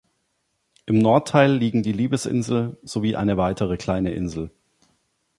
Im Nordteil liegen die "Liebesinsel" sowie eine weitere kleine Insel.